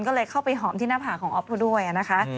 ก็เลยเข้าไปหอมที่หน้าผากของอ๊อฟเขาด้วยนะคะ